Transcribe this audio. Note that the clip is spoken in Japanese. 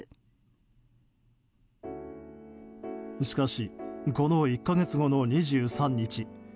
しかし、この１か月後の２３日